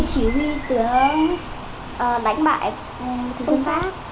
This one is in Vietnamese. đánh bại thủy sinh pháp